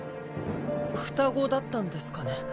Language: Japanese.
双子だったんですかね？